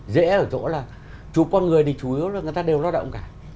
dễ ở chỗ là chụp con người thì chủ yếu là người ta đều lao động cả